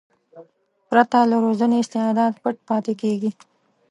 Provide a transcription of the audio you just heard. پرته له روزنې استعداد پټ پاتې کېږي.